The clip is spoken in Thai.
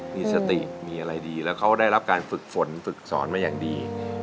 มีสติมีอะไรดีแล้วเขาได้รับการฝึกฝนฝึกสอนมาอย่างดี